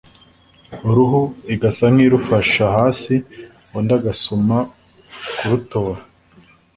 uruhu igasa nk’irufasha hasi. undi agasuma kurutora,